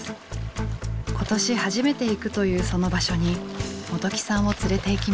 今年初めて行くというその場所に元起さんを連れていきます。